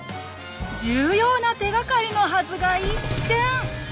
重要な手がかりのはずが一転！